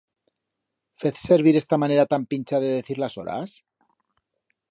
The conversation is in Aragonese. Fez servir esta manera tan pincha de decir las horas?